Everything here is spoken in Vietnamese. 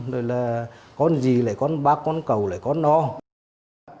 rồi là con gì lấy con bác con cậu lấy con non